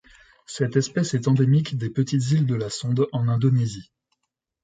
Cette espèce est endémique des petites îles de la Sonde en Indonésie.